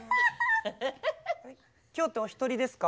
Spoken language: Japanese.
今日ってお一人ですか？